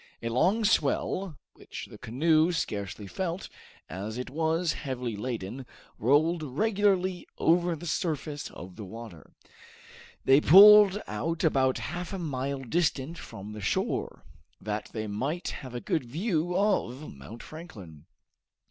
A long swell, which the canoe scarcely felt, as it was heavily laden, rolled regularly over the surface of the water. They pulled out about half a mile distant from the shore, that they might have a good view of Mount Franklin.